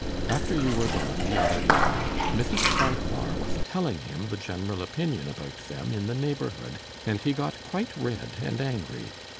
After you were gone the other evening, Mithith Farquhar wath telling him the general opinion about them in the neighbourhood, and he got quite red and angry.